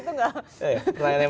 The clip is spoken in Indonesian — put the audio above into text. tanya seperti itu gak